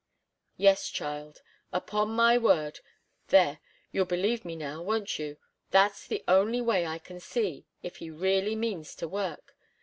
"Yes, child. Upon my word there, you'll believe me now, won't you? That's the only way I can see, if he really means to work.